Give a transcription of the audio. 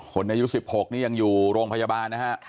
อายุ๑๖นี่ยังอยู่โรงพยาบาลนะฮะ